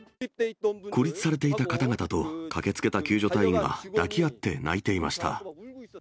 孤立されていた方々と、駆けつけた救助隊員が抱き合って泣いていました。